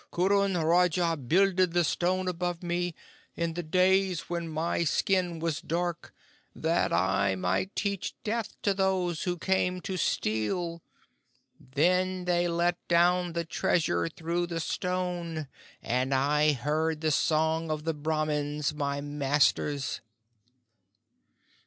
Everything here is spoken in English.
Kurrun Raja builded the stone above me, in the days when my skin was dark, that I might teach death to those who came to steal. Then they let down the treasure through the stone, and I heard the song of the Brahmins my masters."